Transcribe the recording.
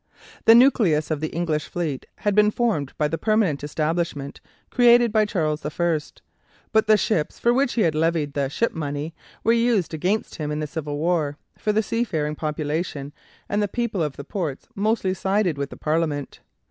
The nucleus of the English fleet had been formed by the permanent establishment created by Charles I, but the ships for which he had levied the "Ship Money" were used against him in the Civil War, for the seafaring population and the people of the ports mostly sided with the Parliament.